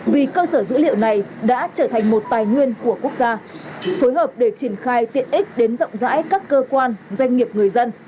vì cơ sở dữ liệu này đã trở thành một tài nguyên của quốc gia phối hợp để triển khai tiện ích đến rộng rãi các cơ quan doanh nghiệp người dân